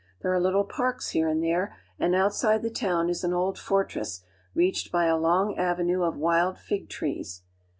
There are little parks here and there, and outside the town is an old fortress reached by a long avenue of wild fig trees.